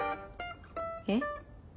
えっ？